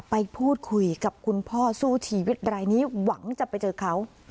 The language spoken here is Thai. ไปพูดคุยกับคุณพ่อสู้ชีวิตรายนี้หวังจะไปเจอเขา